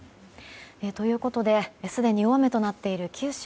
ということですでに大雨となっている九州